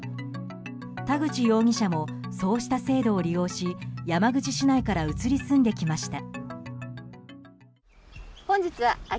田口容疑者もそうした制度を利用し山口市内から移り住んできました。